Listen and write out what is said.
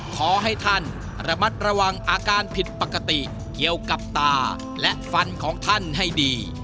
ขอให้ท่านระมัดระวังอาการผิดปกติเกี่ยวกับตาและฟันของท่านให้ดี